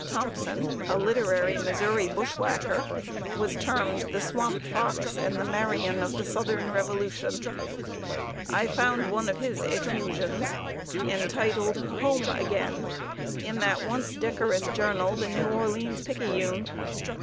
Thompson, a literary Missouri bushwhacker, was termed the "Swamp Fox" and the "Marion of the Southern Revolution." I found one of his effusions, entitled "Home Again," in that once decorous journal, The New Orleans Picayune.